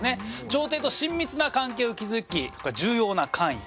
朝廷と親密な関係を築き重要な官位。